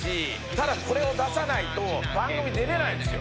ただこれを出さないと番組出れないんですよ。